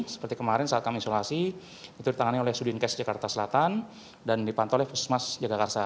seperti kemarin saat kami isolasi itu ditangani oleh sudinkes jakarta selatan dan dipantau oleh puskesmas jagakarsa